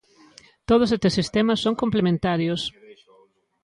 Todos estes sistemas son complementarios.